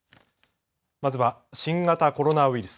まずは新型コロナウイルス。